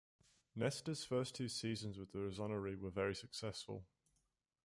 Nesta's first two seasons with the "Rossoneri" were very successful.